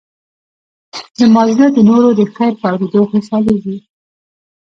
زما زړه د نورو د خیر په اورېدو خوشحالېږي.